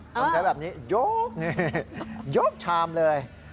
ต้องใช้แบบนี้ยกนี่ยกชามเลย